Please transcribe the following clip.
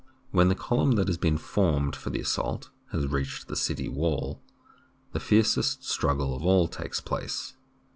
When the column that has been formed for the assault has reached the city wall, the fiercest strug gle of all takes place.